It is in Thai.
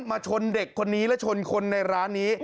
มาชนเด็กคนนี้และชนคนในร้านนี้